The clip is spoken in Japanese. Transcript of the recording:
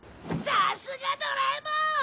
さすがドラえもん！